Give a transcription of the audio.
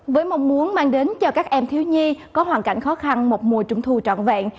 với mong muốn mang đến cho các em thiếu nhi có hoàn cảnh khó khăn một mùa trung thu trọn vẹn